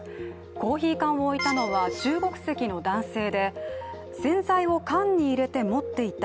コーヒー缶を置いたのは中国籍の男性で洗剤を缶に入れて持っていた。